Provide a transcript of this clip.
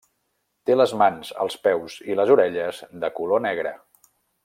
Té les mans, els peus i les orelles de color negre.